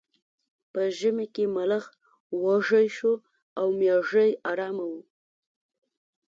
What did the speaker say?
په ژمي کې ملخ وږی شو او میږی ارامه وه.